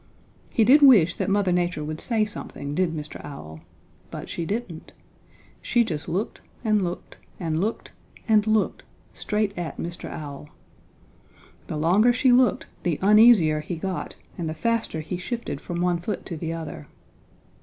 He did wish that Mother Nature would say something, did Mr. Owl. But she didn't. She just looked and looked and looked and looked straight at Mr. Owl. The longer she looked the uneasier he got and the faster he shifted from one foot to the other.